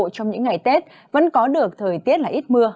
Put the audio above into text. trong những ngày tết vẫn có được thời tiết là ít mưa